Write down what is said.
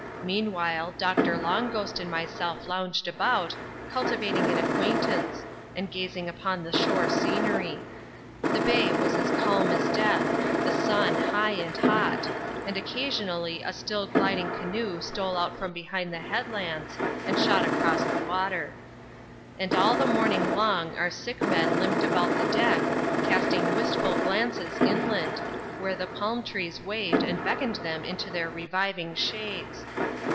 Meanwhile Doctor Long Ghopt and myself lounged about, cul tivating an acquaintance, and gazing upon the shore scenery. The bay was as calm as death; the sun high and hot ; and occasionally a still gliding canoe stole out from behind the headlands, and shot across the water. And all the nioming long our sick men limped about the deck, casting wistful glances inland, where the palm trees waved and beckoned them into their reviving shades.